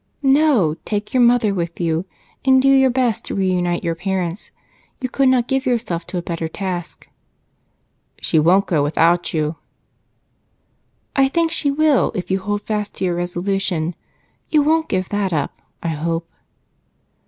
"No, take your mother with you, and do your best to reunite your parents. You could not give yourself to a better task." "She won't go without you." "I think she will if you hold fast to your resolution. You won't give that up, I hope?"